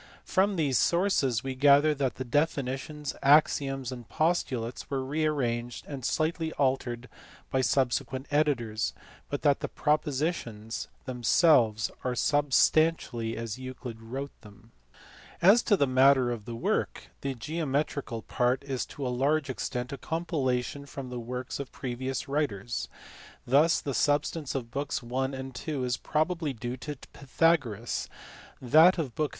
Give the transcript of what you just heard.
From these sources we gather that the definitions, axioms, and postulates were re arranged and slightly altered by subsequent editors, but that the propositions themselves are substantially as Euclid wrote them. As to the matter of the work. The geometrical part is to a large extent a compilation from the works of previous writers. Thus the substance of books I. and n. is probably due to Pythagoras; that of book in.